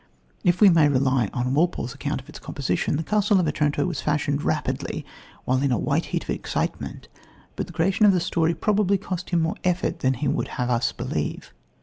If we may rely on Walpole's account of its composition, The Castle of Otranto was fashioned rapidly in a white heat of excitement, but the creation of the story probably cost him more effort than he would have us believe.